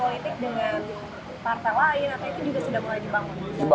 apalagi itu sudah mulai dibangun